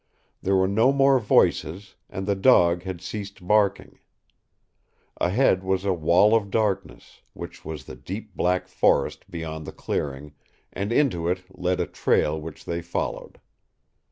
There were no more voices, and the dog had ceased barking. Ahead was a wall of darkness, which was the deep black forest beyond the clearing, and into it led a trail which they followed.